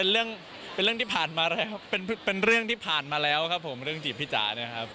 เรื่องจีบพี่จ๋านี่เป็นเรื่องที่ผ่านมาแล้วครับ